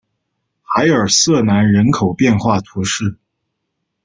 阿尔瑟南人口变化图示